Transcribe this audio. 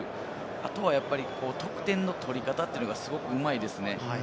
あとは得点の取り方というのがすごくうまいですね。